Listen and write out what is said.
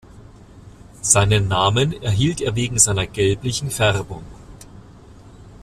Seinen Namen erhielt er wegen seiner gelblichen Färbung.